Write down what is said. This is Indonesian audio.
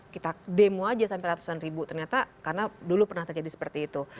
kita demo aja sampai ratusan ribu ternyata karena dulu pernah terjadi seperti itu